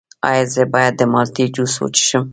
ایا زه باید د مالټې جوس وڅښم؟